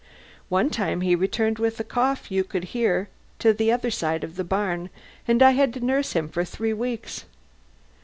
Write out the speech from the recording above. One time he returned with a cough you could hear the other side of the barn, and I had to nurse him for three weeks.)